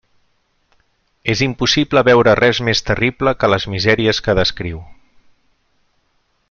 És impossible veure res més terrible que les misèries que descriu.